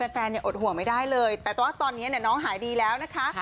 อดห่วงไม่ได้เลยแต่ว่าตอนนี้น้องหายดีแล้วนะคะ